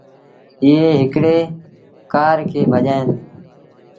ايئي هڪڙيٚ ڪآر کي ڀڄآيآندي۔